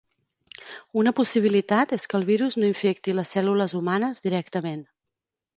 Una possibilitat és que el virus no infecti les cèl·lules humanes directament.